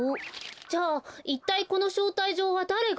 じゃいったいこのしょうたいじょうはだれが？